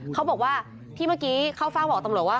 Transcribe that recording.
เขาบอกว่าที่เมื่อกี้เข้าเฝ้าบอกตำรวจว่า